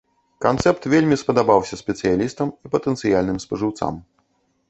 Канцэпт вельмі спадабаўся спецыялістам і патэнцыяльным спажыўцам.